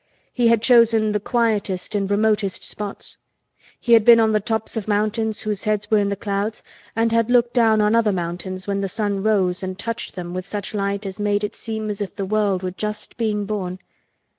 He had chosen the quietest and remotest spots. He had been on the tops of mountains whose heads were in the clouds and had looked down on other mountains when the sun rose and touched them with such light as made it seem as if the world were just being born.